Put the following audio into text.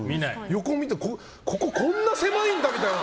横見てここ、こんなに狭いんだ！みたいな。